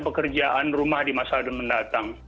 pekerjaan rumah di masa mendatang